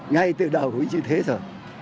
ngay từ đầu cũng như thế rồi